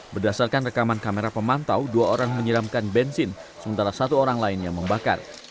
berdasarkan rekaman kamera pemantau dua orang menyiramkan bensin sementara satu orang lainnya membakar